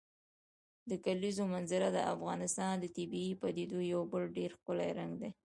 د کلیزو منظره د افغانستان د طبیعي پدیدو یو بل ډېر ښکلی رنګ دی.